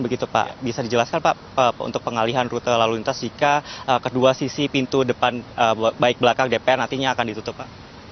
begitu pak bisa dijelaskan pak untuk pengalihan rute lalu lintas jika kedua sisi pintu depan baik belakang dpr nantinya akan ditutup pak